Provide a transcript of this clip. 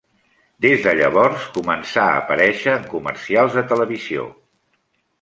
Des de llavors començà a aparéixer en comercials de televisió.